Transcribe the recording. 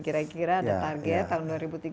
kira kira ada target tahun dua ribu tiga puluh